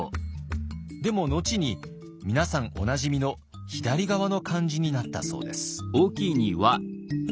でも後に皆さんおなじみの左側の漢字になったそうです。